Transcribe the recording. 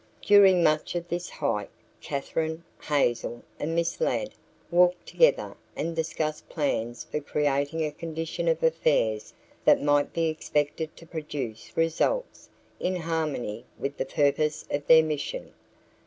During much of this hike, Katherine, Hazel and Miss Ladd walked together and discussed plans for creating a condition of affairs that might be expected to produce results in harmony with the purpose of their mission.